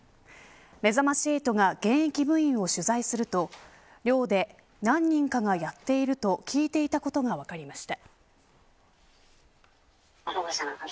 めざまし８が現役部員を取材すると寮で何人かがやっていると聞いていたことが分かりました。